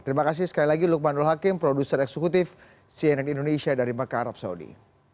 terima kasih sekali lagi luqmanul hakim produser eksekutif cnn indonesia dari makarab saudi